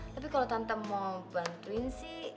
tapi kalau tante mau bantuin sih